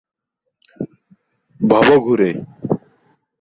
তিনি ফরিদপুর থেকে মাদারীপুর পর্যন্ত রেল লাইন নির্মাণের জন্য আন্দোলন করেছিলেন।